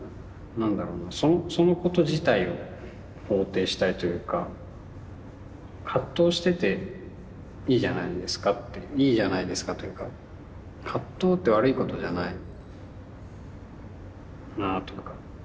何だろうなそのこと自体を肯定したいというか葛藤してていいじゃないですかっていいじゃないですかというか葛藤って悪いことじゃないなぁとか。